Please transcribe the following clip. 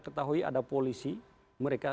ketahui ada polisi mereka